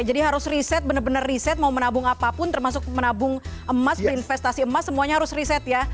jadi harus riset bener bener riset mau menabung apapun termasuk menabung emas investasi emas semuanya harus riset ya